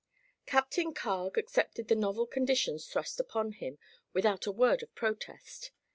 Captain Carg accepted the novel conditions thrust upon him, without a word of protest.